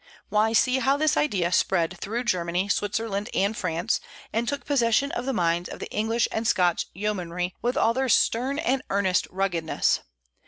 Why, see how this idea spread through Germany, Switzerland, and France and took possession of the minds of the English and Scotch yeomanry, with all their stern and earnest ruggedness.